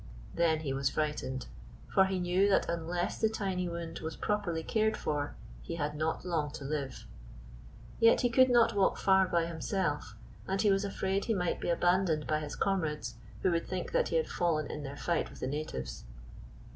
Then he was frightened, for he knew that unless the tiny wound was properly cared for he had not long to live. Yet he could not walk far by himself, and he was afraid he might be abandoned by his comrades, who would think that he had fallen in their fight with the natives.